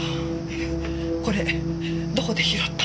これどこで拾ったの？